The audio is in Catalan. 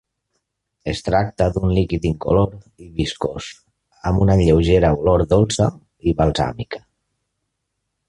Es tracta d'un líquid incolor i viscós amb una lleugera olor dolça i balsàmica.